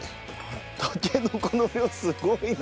たけのこの量すごいな。